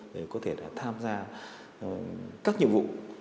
để có thể tham gia các nhiệm vụ